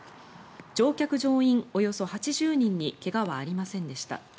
乗客・乗員およそ８０人に怪我はありませんでした。